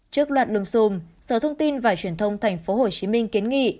trước loạt đồng xùm sở thông tin và truyền thông tp hcm kiến nghị